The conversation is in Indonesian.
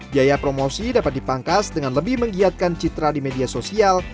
biaya promosi dapat dipangkas dengan lebih menggiatkan citra di media sosial